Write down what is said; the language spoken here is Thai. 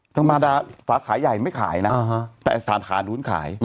ธรรมดาสาขาใหญ่ไม่ขายนะแต่สาขานู้นขาย